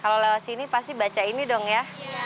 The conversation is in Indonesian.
kalau lewat sini pasti baca ini dong ya